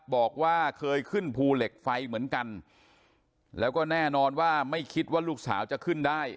บอกว่าเคยขึ้นภูเหล็กไฟเหมือนกันแล้วก็แน่นอนว่าไม่คิดว่าลูกสาวจะขึ้นได้